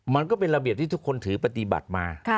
มันก็เป็นระเบียบที่ทุกคนถือปฏิบัติมา